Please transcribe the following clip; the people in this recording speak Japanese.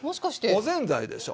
おぜんざいでしょ。